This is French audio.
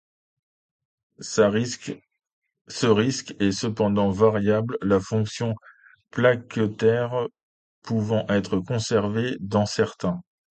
Ce risque est cependant variable, la fonction plaquettaire pouvant être conservée dans certains.